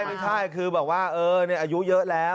ไม่ใช่คือแบบว่าอายุเยอะแล้ว